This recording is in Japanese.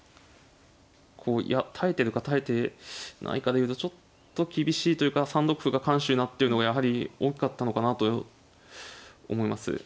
こういや耐えてるか耐えてないかで言うとちょっと厳しいというか３六歩が緩手になっているのがやはり大きかったのかなと思います。